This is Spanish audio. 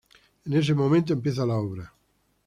En ese momento empieza la obra.